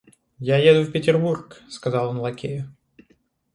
Я еду в Петербург, — сказал он лакею.